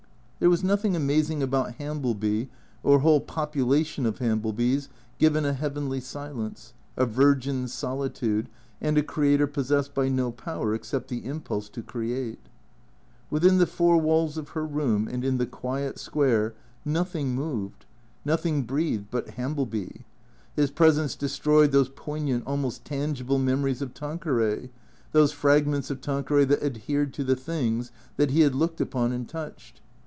There was nothing amazing about Hambleby or a whole popu lation of Hamblebys, given a heavenly silence, a virgin solitude, and a creator possessed by no power except the impulse to create. Within the four walls of her room, and in the quiet Square, nothing moved, nothing breathed but Hambleby. His presence destroyed those poignant, almost tangible memories of Tanque ray, those fragments of Tanqueray that adhered to the things that he had looked upon and touched.